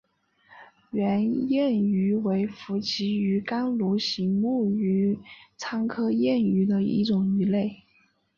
圆燕鱼为辐鳍鱼纲鲈形目鲈亚目白鲳科燕鱼属的一种鱼类。